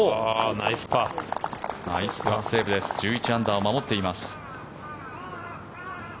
ナイスパーセーブ１１アンダーを守っています。